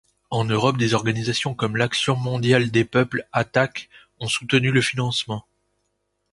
En Europe, des organisations comme l'Action mondiale des peuples, Attac, ont soutenu le financement.